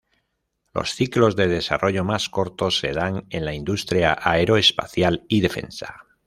Los ciclos de desarrollo más cortos se dan en la industria aeroespacial y defensa.